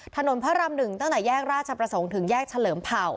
ถนนพระราม๑ตั้งแต่แยกราชประสงค์ถึงแยกเฉลิมเผ่า